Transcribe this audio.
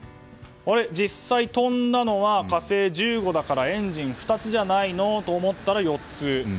実際飛んだのは「火星１５」だからエンジン２つじゃないのと思ったら４つ。